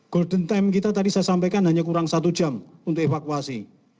golden time kita tadi saya sampaikan hanya kurang satu jam untuk evakuasi